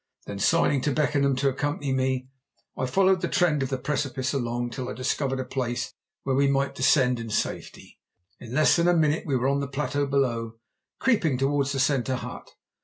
Then, signing to Beckenham to accompany me, I followed the trend of the precipice along till I discovered a place where we might descend in safety. In less than a minute we were on the plateau below, creeping towards the centre hut.